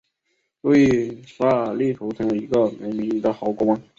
路易十二力图成为一位人民的好国王。